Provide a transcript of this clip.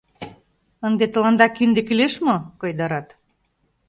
— Ынде тыланда кинде кӱлеш мо? — койдарат.